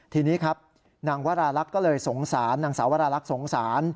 ทีนี้ครับนางสาววรารักษ์สงสาร